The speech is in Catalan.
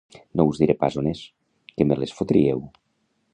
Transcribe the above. No us diré pas on és, que me les fotríeu